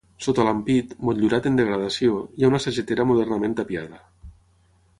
Sota l'ampit, motllurat en degradació, hi ha una sagetera modernament tapiada.